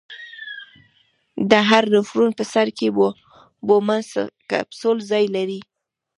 د هر نفرون په سر کې بومن کپسول ځای لري.